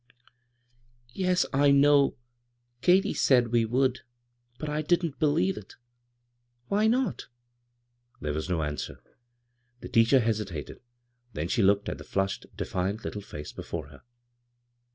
" Yes, 1 know. Katy said we would, but I didn't believe it" "Why not?" There was no answer. The tea c her hesitated ; then she looked at the flushed, defiant little fsice before her.